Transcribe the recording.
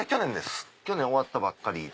去年終わったばかり。